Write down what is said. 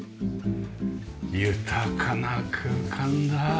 豊かな空間だ。